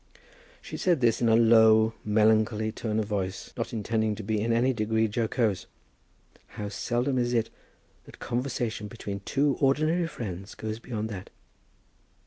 She said this in a low, melancholy tone of voice, not intending to be in any degree jocose. "How seldom is it that conversation between ordinary friends goes beyond that."